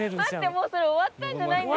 もうそれ終わったんじゃないんですか？